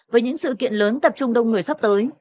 với những sự kiện lớn tập trung đông người sắp tới